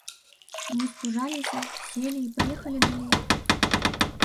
Мы спужаліся, селі і паехалі далей.